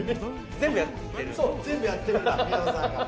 全部やってるんだ宮野さんが。